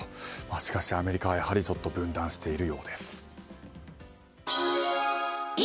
しかし、アメリカはやはり分断しているようです。